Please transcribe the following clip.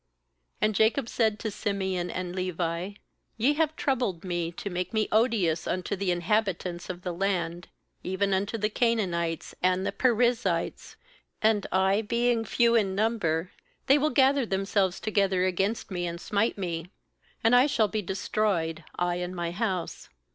s°And Jacob said to Simeon and Levi: 'Ye have troubled me, to make me odious unto the inhabitants of the land, even unto the Canaanites and the Perizzites; and, I being few in number, they will gather themselves together against me and smite me; and I shall be destroyed, I and my house.'